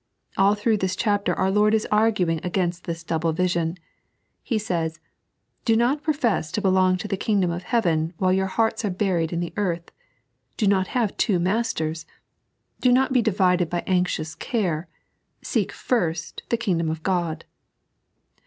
AH through this chapter our Lord is arguing against this double vision. He says :" Do not profees to belong to the kingdom of heaven while your hearts are buried in the earth ; do not have two masters; do not be divided by anxious care; seek first the kingdom of Qod."